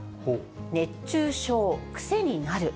熱中症くせになる？